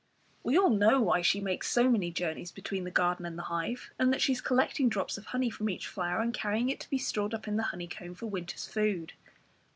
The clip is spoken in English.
We all know why she makes so many journeys between the garden and the hive, and that she is collecting drops of honey from each flower, and carrying it to be stored up in the honeycomb for winter's food.